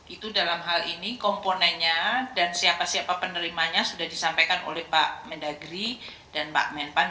itu dalam hal ini komponennya dan siapa siapa penerimanya sudah disampaikan oleh pak mendagri dan pak menpan